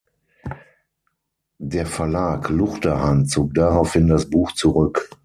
Der Verlag Luchterhand zog daraufhin das Buch zurück.